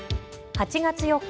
８月４日